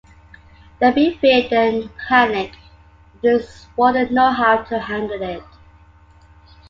There'd be fear, then panic: they just wouldn't know how to handle it.